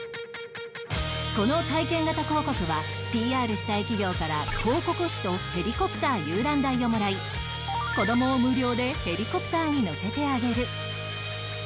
この体験型広告は ＰＲ したい企業から広告費とヘリコプター遊覧代をもらい子どもを無料でヘリコプターに乗せてあげる